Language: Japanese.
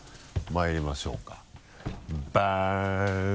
まいりましょうかバン。